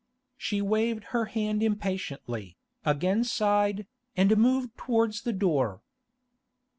She waved her hand impatiently, again sighed, and moved towards the door.